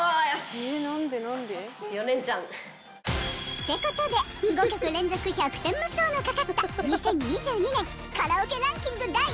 ［ってことで５曲連続１００点無双のかかった２０２２年カラオケランキング第１位は］